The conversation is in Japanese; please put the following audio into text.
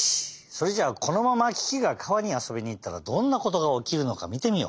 それじゃこのままキキが川にあそびにいったらどんなことがおきるのかみてみよう。